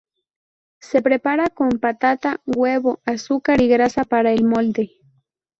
Se prepara con patata, huevo, azúcar y grasa para el molde.